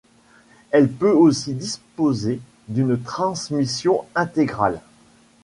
Elle peut aussi disposer d’une transmission intégrale.